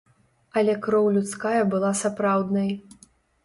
Але кроў людская была сапраўднай.